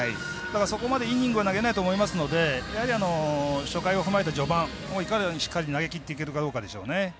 そこまでイニングを投げないと思いますので初回を踏まえた序盤いかにしっかり投げきっていけるかですね。